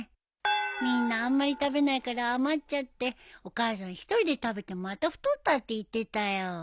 みんなあんまり食べないから余っちゃってお母さん一人で食べてまた太ったって言ってたよ。